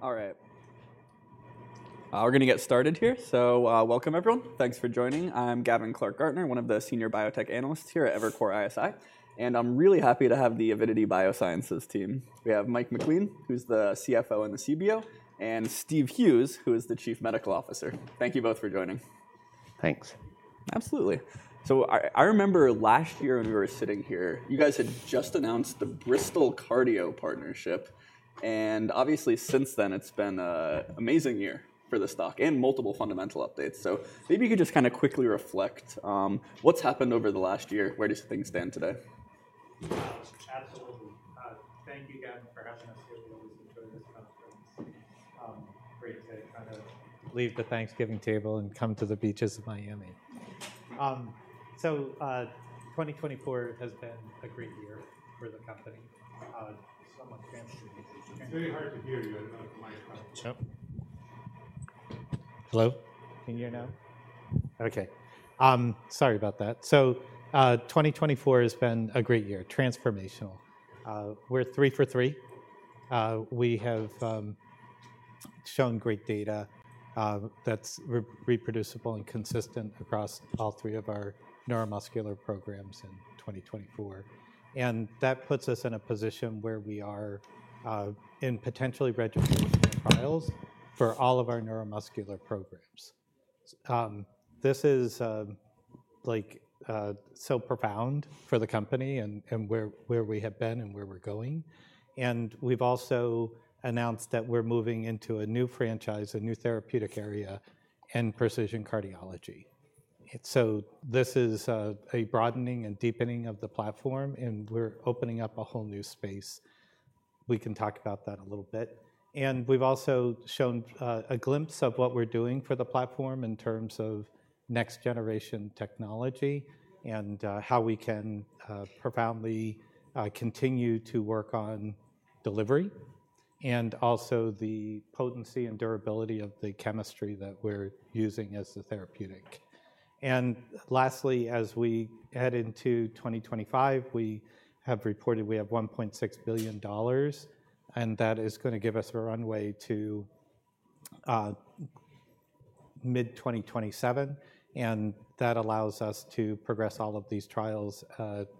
All right. We're going to get started here, so welcome, everyone. Thanks for joining. I'm Gavin Clark-Gartner, one of the senior biotech analysts here at Evercore ISI, and I'm really happy to have the Avidity Biosciences team. We have Mike MacLean, who's the CFO and the CBO, and Steve Hughes, who is the Chief Medical Officer. Thank you both for joining. Thanks. Absolutely. So I remember last year when we were sitting here, you guys had just announced the Bristol Cardio partnership. And obviously, since then, it's been an amazing year for the stock and multiple fundamental updates. So maybe you could just kind of quickly reflect on what's happened over the last year. Where does things stand today? Absolutely. Thank you, Gavin, for having us here. We always enjoy this conference. Great to kind of leave the Thanksgiving table and come to the beaches of Miami. So 2024 has been a great year for the company. It's very hard to hear you. I don't know if my mic's coming through. Yep. Hello? Can you hear now? OK. Sorry about that, so 2024 has been a great year, transformational. We're three for three. We have shown great data that's reproducible and consistent across all three of our neuromuscular programs in 2024, and that puts us in a position where we are in potentially registered trials for all of our neuromuscular programs. This is so profound for the company and where we have been and where we're going, and we've also announced that we're moving into a new franchise, a new therapeutic area in precision cardiology, so this is a broadening and deepening of the platform, and we're opening up a whole new space. We can talk about that a little bit. And we've also shown a glimpse of what we're doing for the platform in terms of next-generation technology and how we can profoundly continue to work on delivery and also the potency and durability of the chemistry that we're using as the therapeutic. And lastly, as we head into 2025, we have reported we have $1.6 billion, and that is going to give us a runway to mid-2027. And that allows us to progress all of these trials,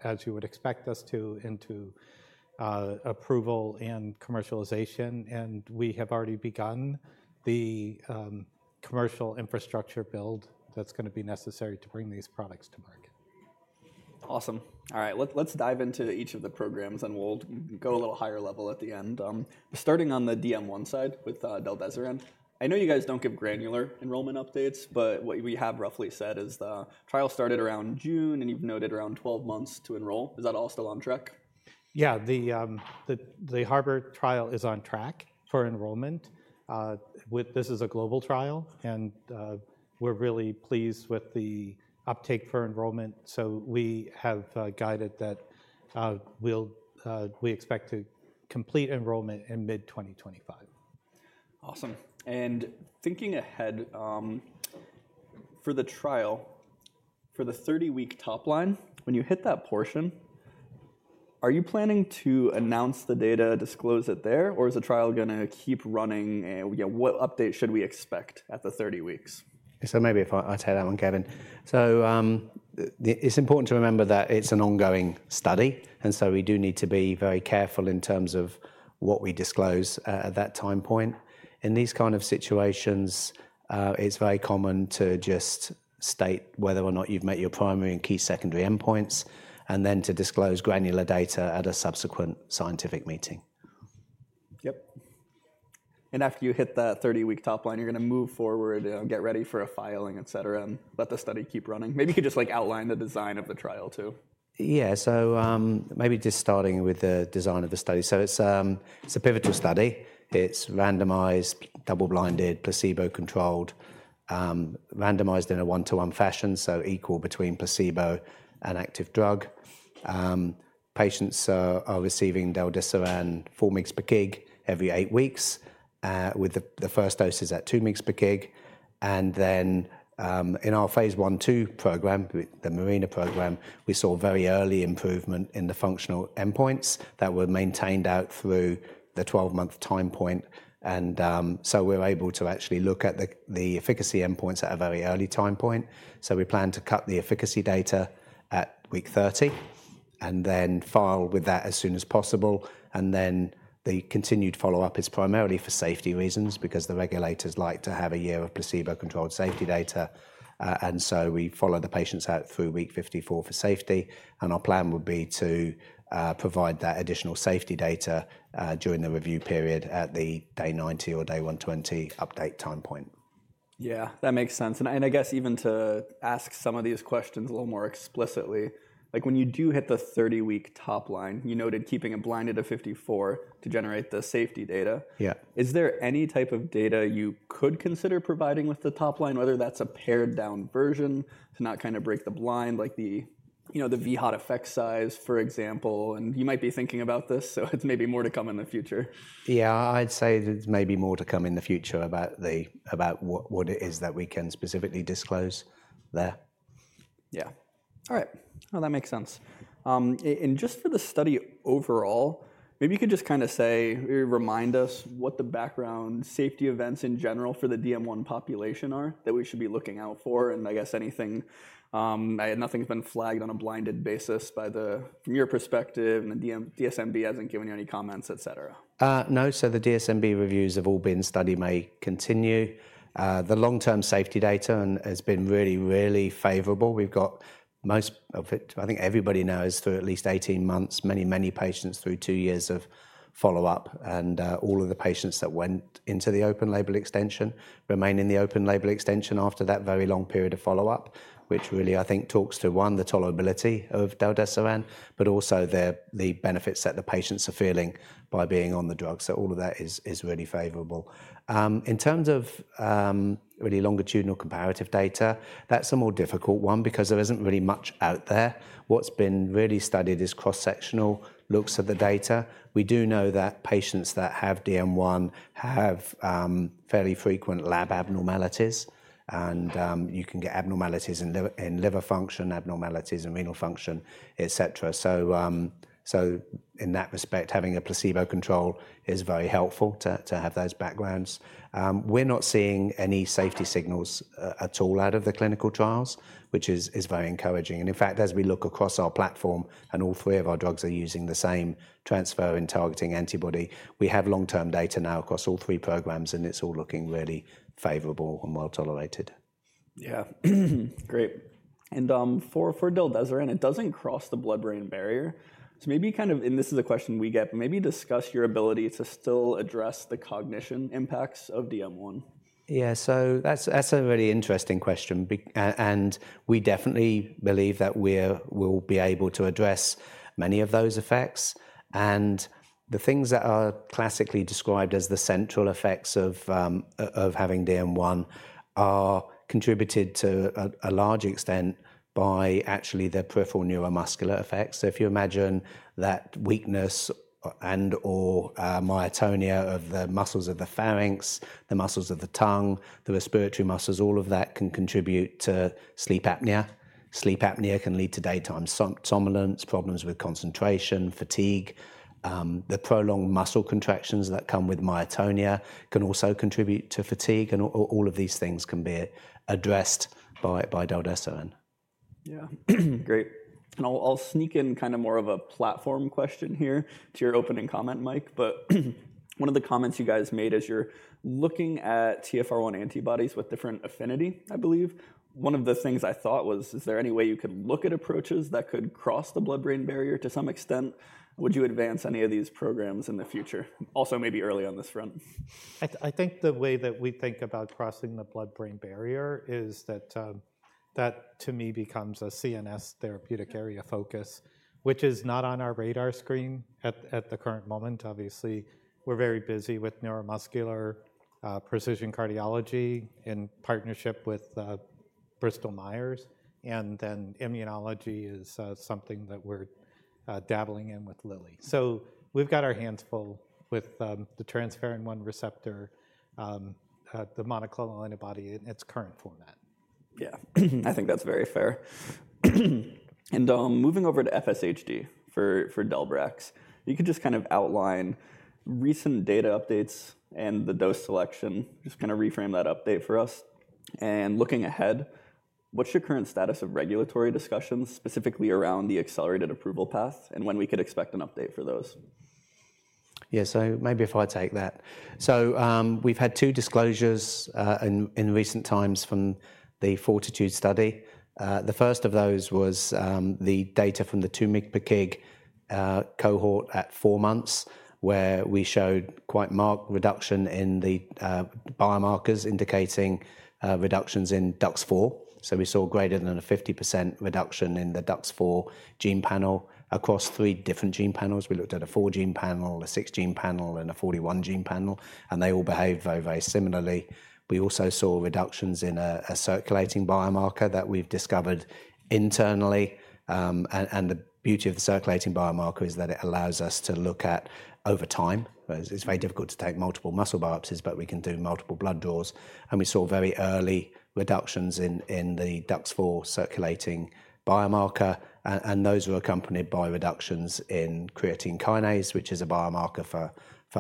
as you would expect us to, into approval and commercialization. And we have already begun the commercial infrastructure build that's going to be necessary to bring these products to market. Awesome. All right, let's dive into each of the programs, and we'll go a little higher level at the end. Starting on the DM1 side with del-desiran, I know you guys don't give granular enrollment updates, but what we have roughly said is the trial started around June, and you've noted around 12 months to enroll. Is that all still on track? Yeah, the HARBOR trial is on track for enrollment. This is a global trial, and we're really pleased with the uptake for enrollment. So we have guided that we expect to complete enrollment in mid-2025. Awesome. And thinking ahead for the trial, for the 30-week top line, when you hit that portion, are you planning to announce the data, disclose it there, or is the trial going to keep running? What update should we expect at the 30 weeks? So maybe if I take that one, Gavin. So it's important to remember that it's an ongoing study, and so we do need to be very careful in terms of what we disclose at that time point. In these kind of situations, it's very common to just state whether or not you've met your primary and key secondary endpoints, and then to disclose granular data at a subsequent scientific meeting. Yep, and after you hit that 30-week top line, you're going to move forward and get ready for a filing, et cetera, and let the study keep running. Maybe you could just outline the design of the trial, too. Yeah, so maybe just starting with the design of the study. So it's a pivotal study. It's randomized, double-blinded, placebo-controlled, randomized in a one-to-one fashion, so equal between placebo and active drug. Patients are receiving del-desiran 2 mg/kg every eight weeks, with the first doses at 2 mg/kg. And then in our phase one-two program, the MARINA program, we saw very early improvement in the functional endpoints that were maintained out through the 12-month time point. And so we're able to actually look at the efficacy endpoints at a very early time point. So we plan to cut the efficacy data at week 30 and then file with that as soon as possible. And then the continued follow-up is primarily for safety reasons because the regulators like to have a year of placebo-controlled safety data. And so we follow the patients out through week 54 for safety. And our plan would be to provide that additional safety data during the review period at the day 90 or day 120 update time point. Yeah, that makes sense. And I guess even to ask some of these questions a little more explicitly, when you do hit the 30-week top line, you noted keeping it blinded to 54 to generate the safety data. Is there any type of data you could consider providing with the top line, whether that's a pared-down version to not kind of break the blind, like the VHOT effect size, for example? And you might be thinking about this, so it's maybe more to come in the future. Yeah, I'd say it's maybe more to come in the future about what it is that we can specifically disclose there. Yeah. All right. Well, that makes sense. And just for the study overall, maybe you could just kind of say, remind us what the background safety events in general for the DM1 population are that we should be looking out for. And I guess nothing's been flagged on a blinded basis from your perspective, and the DSMB hasn't given you any comments, et cetera. No. So the DSMB reviews have all been "study may continue." The long-term safety data has been really, really favorable. We've got most of it, I think everybody knows, through at least 18 months, many, many patients through two years of follow-up. And all of the patients that went into the open label extension remain in the open label extension after that very long period of follow-up, which really, I think, talks to, one, the tolerability of del-desiran, but also the benefits that the patients are feeling by being on the drug. So all of that is really favorable. In terms of really longitudinal comparative data, that's a more difficult one because there isn't really much out there. What's been really studied is cross-sectional looks at the data. We do know that patients that have DM1 have fairly frequent lab abnormalities. And you can get abnormalities in liver function, abnormalities in renal function, et cetera. So in that respect, having a placebo control is very helpful to have those backgrounds. We're not seeing any safety signals at all out of the clinical trials, which is very encouraging. And in fact, as we look across our platform and all three of our drugs are using the same transferrin-targeting antibody, we have long-term data now across all three programs, and it's all looking really favorable and well tolerated. Yeah, great. And for del-desiran, it doesn't cross the blood-brain barrier. So maybe kind of, and this is a question we get, but maybe discuss your ability to still address the cognition impacts of DM1. Yeah, so that's a really interesting question. And we definitely believe that we will be able to address many of those effects. And the things that are classically described as the central effects of having DM1 are contributed to a large extent by actually the peripheral neuromuscular effects. So if you imagine that weakness and/or myotonia of the muscles of the pharynx, the muscles of the tongue, the respiratory muscles, all of that can contribute to sleep apnea. Sleep apnea can lead to daytime somnolence, problems with concentration, fatigue. The prolonged muscle contractions that come with myotonia can also contribute to fatigue. And all of these things can be addressed by del-desiran. Yeah, great. And I'll sneak in kind of more of a platform question here to your opening comment, Mike. But one of the comments you guys made as you're looking at TfR1 antibodies with different affinity, I believe, one of the things I thought was, is there any way you could look at approaches that could cross the blood-brain barrier to some extent? Would you advance any of these programs in the future, also maybe early on this front? I think the way that we think about crossing the blood-brain barrier is that that, to me, becomes a CNS therapeutic area focus, which is not on our radar screen at the current moment. Obviously, we're very busy with neuromuscular precision cardiology in partnership with Bristol Myers, and then immunology is something that we're dabbling in with Lilly, so we've got our hands full with the transferrin-1 receptor, the monoclonal antibody in its current format. Yeah, I think that's very fair. And moving over to FSHD for del-brax, you could just kind of outline recent data updates and the dose selection, just kind of reframe that update for us. And looking ahead, what's your current status of regulatory discussions, specifically around the accelerated approval path and when we could expect an update for those? Yeah, so maybe if I take that. So we've had two disclosures in recent times from the Fortitude study. The first of those was the data from the 2 mg/kg cohort at four months, where we showed quite marked reduction in the biomarkers indicating reductions in DUX4. So we saw greater than a 50% reduction in the DUX4 gene panel across three different gene panels. We looked at a four-gene panel, a six-gene panel, and a 41-gene panel, and they all behaved very, very similarly. We also saw reductions in a circulating biomarker that we've discovered internally. And the beauty of the circulating biomarker is that it allows us to look at over time. It's very difficult to take multiple muscle biopsies, but we can do multiple blood draws. And we saw very early reductions in the DUX4 circulating biomarker. And those were accompanied by reductions in creatine kinase, which is a biomarker for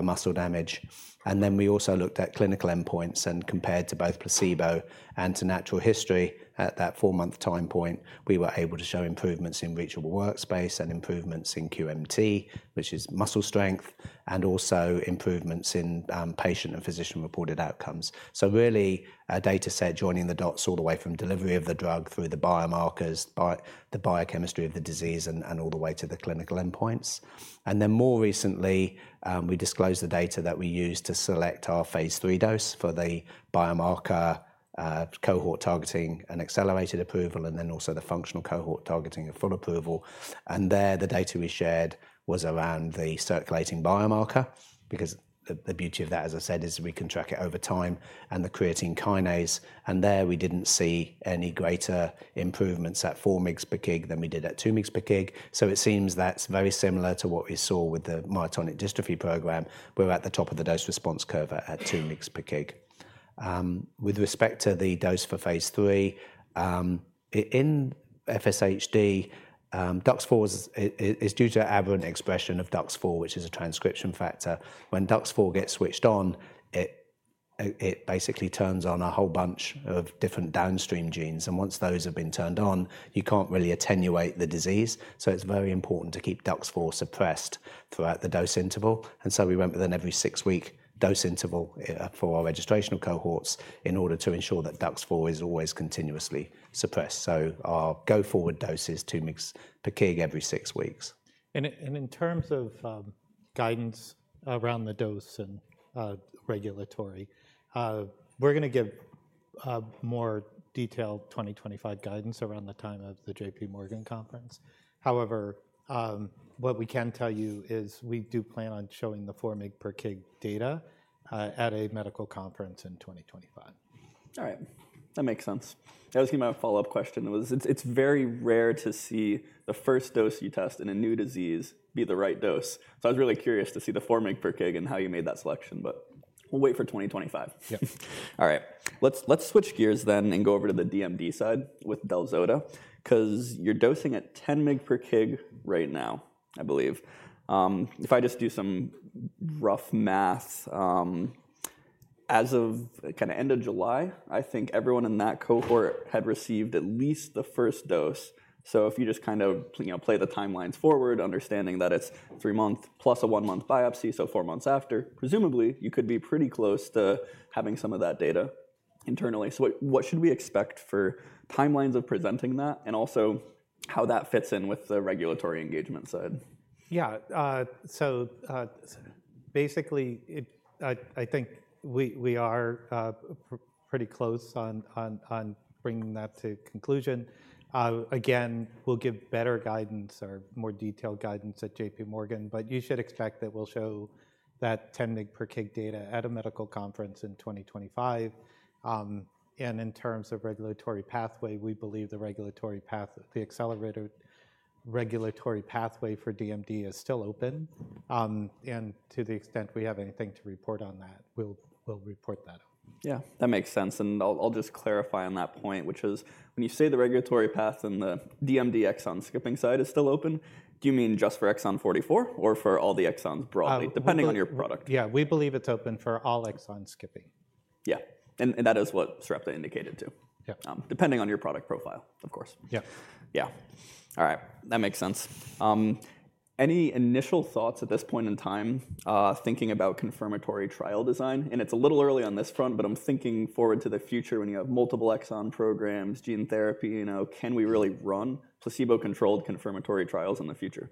muscle damage. And then we also looked at clinical endpoints and compared to both placebo and to natural history. At that four-month time point, we were able to show improvements in reachable workspace and improvements in QMT, which is muscle strength, and also improvements in patient and physician-reported outcomes. So really, a data set joining the dots all the way from delivery of the drug through the biomarkers, the biochemistry of the disease, and all the way to the clinical endpoints. And then more recently, we disclosed the data that we used to select our phase three dose for the biomarker cohort targeting and accelerated approval, and then also the functional cohort targeting and full approval. There, the data we shared was around the circulating biomarker because the beauty of that, as I said, is we can track it over time and the creatine kinase. There, we didn't see any greater improvements at 4 mg/kg than we did at 2 mg/kg. It seems that's very similar to what we saw with the myotonic dystrophy program. We're at the top of the dose response curve at 2 mg/kg. With respect to the dose for phase three, in FSHD, DUX4 is due to aberrant expression of DUX4, which is a transcription factor. When DUX4 gets switched on, it basically turns on a whole bunch of different downstream genes. Once those have been turned on, you can't really attenuate the disease. It's very important to keep DUX4 suppressed throughout the dose interval. We went with an every six-week dose interval for our registrational cohorts in order to ensure that DUX4 is always continuously suppressed. Our go-forward dose is 2 mg per kg every six weeks. In terms of guidance around the dose and regulatory, we're going to give more detailed 2025 guidance around the time of the JP Morgan conference. However, what we can tell you is we do plan on showing the 4 mg per kg data at a medical conference in 2025. All right, that makes sense. I was going to my follow-up question. It's very rare to see the first dose you test in a new disease be the right dose. So I was really curious to see the 4 mg/kg and how you made that selection, but we'll wait for 2025. Yep. All right, let's switch gears then and go over to the DMD side with del-zota because you're dosing at 10 mg/kg right now, I believe. If I just do some rough math, as of kind of end of July, I think everyone in that cohort had received at least the first dose. So if you just kind of play the timelines forward, understanding that it's three months plus a one-month biopsy, so four months after, presumably, you could be pretty close to having some of that data internally. So what should we expect for timelines of presenting that and also how that fits in with the regulatory engagement side? Yeah, so basically, I think we are pretty close on bringing that to conclusion. Again, we'll give better guidance or more detailed guidance at J.P. Morgan, but you should expect that we'll show that 10 mg/kg data at a medical conference in 2025. And in terms of regulatory pathway, we believe the regulatory path, the accelerated regulatory pathway for DMD is still open. And to the extent we have anything to report on that, we'll report that. Yeah, that makes sense. And I'll just clarify on that point, which is when you say the regulatory path and the DMD exon skipping side is still open, do you mean just for Exon 44 or for all the exons broadly, depending on your product? Yeah, we believe it's open for all exon skipping. Yeah, and that is what Sarepta indicated too, depending on your product profile, of course. Yeah, yeah, all right, that makes sense. Any initial thoughts at this point in time thinking about confirmatory trial design? And it's a little early on this front, but I'm thinking forward to the future when you have multiple exon programs, gene therapy. Can we really run placebo-controlled confirmatory trials in the future?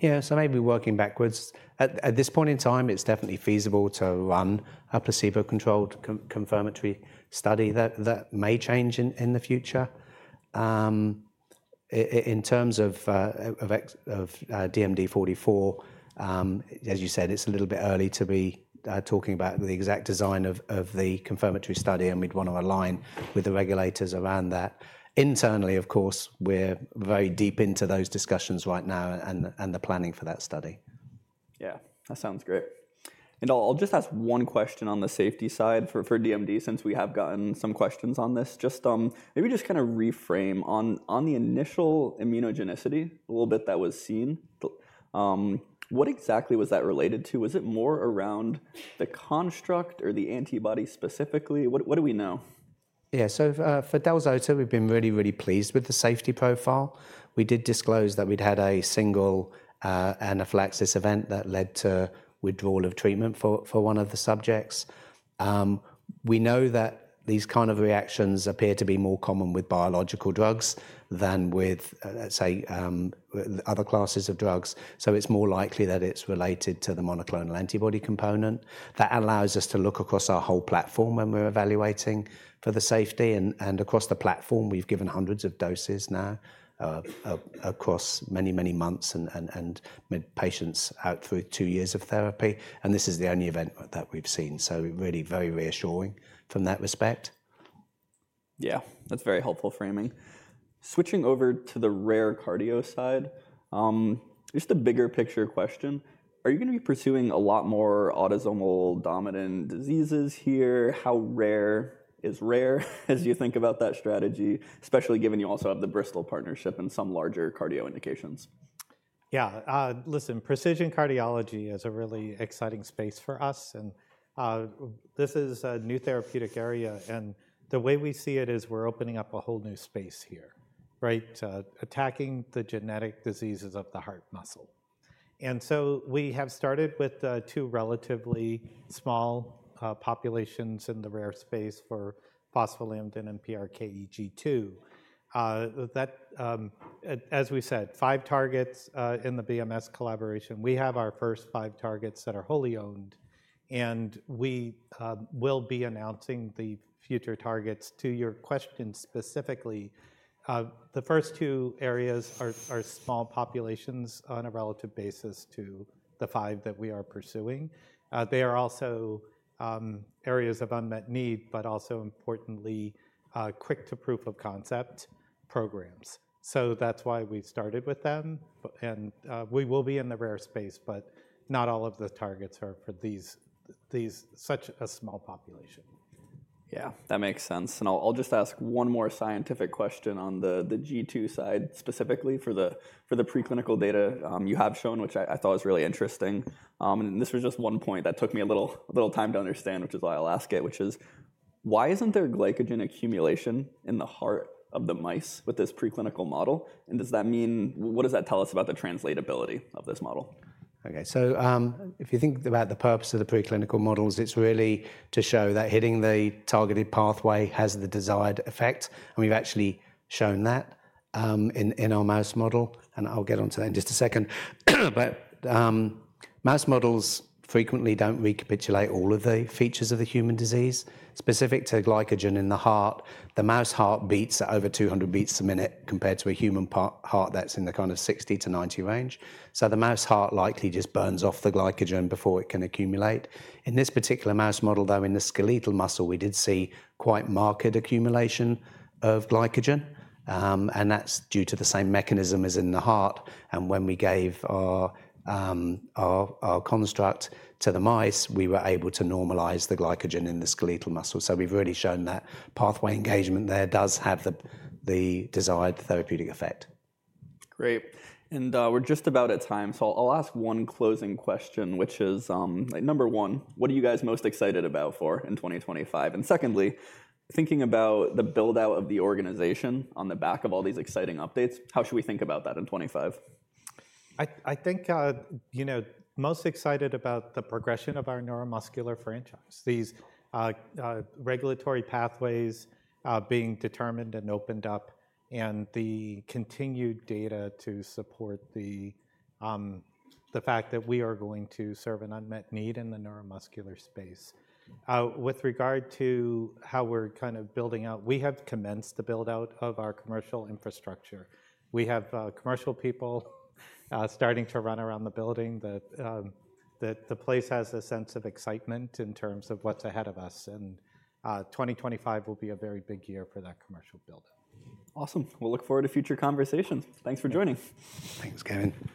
Yeah, so maybe working backwards. At this point in time, it's definitely feasible to run a placebo-controlled confirmatory study that may change in the future. In terms of DMD 44, as you said, it's a little bit early to be talking about the exact design of the confirmatory study, and we'd want to align with the regulators around that. Internally, of course, we're very deep into those discussions right now and the planning for that study. Yeah, that sounds great. And I'll just ask one question on the safety side for DMD since we have gotten some questions on this. Just maybe just kind of reframe on the initial immunogenicity, a little bit that was seen. What exactly was that related to? Was it more around the construct or the antibody specifically? What do we know? Yeah, so for Delzoda, we've been really, really pleased with the safety profile. We did disclose that we'd had a single anaphylaxis event that led to withdrawal of treatment for one of the subjects. We know that these kind of reactions appear to be more common with biological drugs than with, let's say, other classes of drugs. So it's more likely that it's related to the monoclonal antibody component. That allows us to look across our whole platform when we're evaluating for the safety. And across the platform, we've given hundreds of doses now across many, many months and patients out through two years of therapy. And this is the only event that we've seen. So really very reassuring from that respect. Yeah, that's very helpful framing. Switching over to the rare cardio side, just a bigger picture question. Are you going to be pursuing a lot more autosomal dominant diseases here? How rare is rare as you think about that strategy, especially given you also have the Bristol partnership and some larger cardio indications? Yeah, listen, precision cardiology is a really exciting space for us, and this is a new therapeutic area, and the way we see it is we're opening up a whole new space here, right, attacking the genetic diseases of the heart muscle, and so we have started with two relatively small populations in the rare space for phospholamban and PRKAG2. As we said, five targets in the BMS collaboration. We have our first five targets that are wholly owned, and we will be announcing the future targets to your question specifically. The first two areas are small populations on a relative basis to the five that we are pursuing. They are also areas of unmet need, but also importantly, quick-to-proof-of-concept programs, so that's why we started with them, and we will be in the rare space, but not all of the targets are for such a small population. Yeah, that makes sense. And I'll just ask one more scientific question on the G2 side specifically for the preclinical data you have shown, which I thought was really interesting. And this was just one point that took me a little time to understand, which is why I'll ask it, which is why isn't there glycogen accumulation in the heart of the mice with this preclinical model? And does that mean, what does that tell us about the translatability of this model? Okay, so if you think about the purpose of the preclinical models, it's really to show that hitting the targeted pathway has the desired effect. And we've actually shown that in our mouse model. And I'll get on to that in just a second. But mouse models frequently don't recapitulate all of the features of the human disease. Specific to glycogen in the heart, the mouse heart beats at over 200 beats a minute compared to a human heart that's in the kind of 60-90 range. So the mouse heart likely just burns off the glycogen before it can accumulate. In this particular mouse model, though, in the skeletal muscle, we did see quite marked accumulation of glycogen. And that's due to the same mechanism as in the heart. When we gave our construct to the mice, we were able to normalize the glycogen in the skeletal muscle. We've really shown that pathway engagement there does have the desired therapeutic effect. Great. And we're just about at time. So I'll ask one closing question, which is number one, what are you guys most excited about for in 2025? And secondly, thinking about the buildout of the organization on the back of all these exciting updates, how should we think about that in 2025? I'm most excited about the progression of our neuromuscular franchise, these regulatory pathways being determined and opened up, and the continued data to support the fact that we are going to serve an unmet need in the neuromuscular space. With regard to how we're kind of building out, we have commenced the buildout of our commercial infrastructure. We have commercial people starting to run around the building. The place has a sense of excitement in terms of what's ahead of us, and 2025 will be a very big year for that commercial buildup. Awesome. We'll look forward to future conversations. Thanks for joining. Thanks, Gavin.